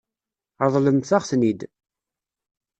Ṛeḍlemt-aɣ-ten-id.